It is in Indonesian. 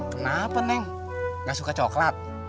kenapa neng gak suka coklat